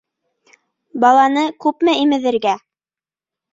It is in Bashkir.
Баланы күпме имеҙергә?